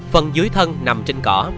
phần dưới thân nằm trên cỏ